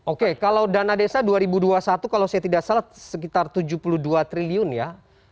oke kalau dana desa dua ribu dua puluh satu kalau saya tidak salah sekitar tujuh puluh dua triliun ya